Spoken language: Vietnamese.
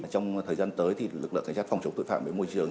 trong thời gian tới thì lực lượng cảnh sát phòng chống tội phạm về môi trường